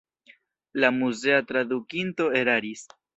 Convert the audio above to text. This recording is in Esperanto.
La muzea tradukinto eraris.